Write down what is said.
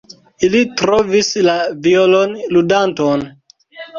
Ili trovis la violonludanton.